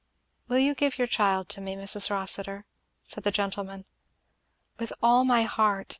"Will you give your child to me, Mrs. Rossitur?" said the gentleman. "With all my heart!"